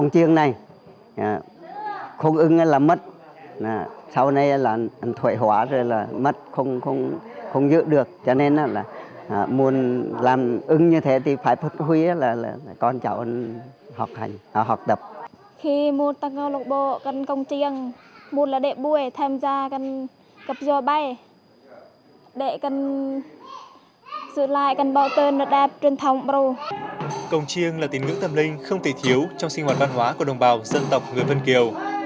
công chiêng là tiếng ngữ tâm linh không thể thiếu trong sinh hoạt văn hóa của đồng bào dân tộc người vân kiều